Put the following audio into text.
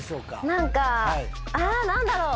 何か何だろう？